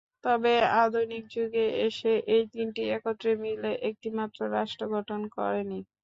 তবে আধুনিক যুগে এসে এই তিনটি একত্রে মিলে একটিমাত্র রাষ্ট্র গঠন করেনি।